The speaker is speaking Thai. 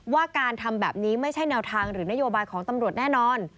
ว่าการทำแบบนี้ไม่ใช่แนวทางหรือนโยบายของตำรวจแน่นอน